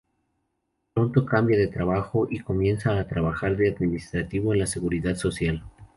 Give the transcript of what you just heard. Pronto cambia de trabajo y comienza a trabajar de administrativo en la Seguridad Social.